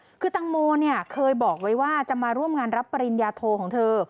บอกว่าคือตังโมเคยบอกไว้ว่าจะมาร่วมงานรับปริญญาโทของเธอ